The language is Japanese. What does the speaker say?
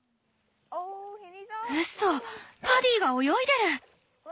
うそパディが泳いでる！